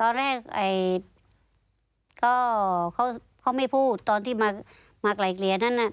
ตอนแรกก็เขาไม่พูดตอนที่มาไกลเกลี่ยนั้น